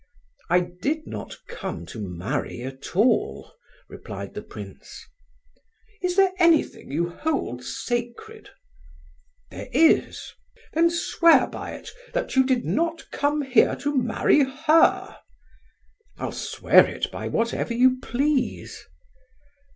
"I did not come to marry at all," replied the prince. "Is there anything you hold sacred?" "There is." "Then swear by it that you did not come here to marry her!" "I'll swear it by whatever you please."